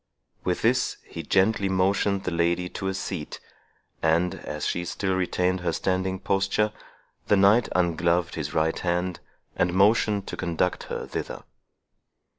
With this, he gently motioned the lady to a seat; and, as she still retained her standing posture, the knight ungloved his right hand, and motioned to conduct her thither.